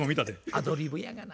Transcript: アドリブやがな。